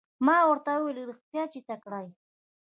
ما ورته وویل رښتیا چې تکړه یې.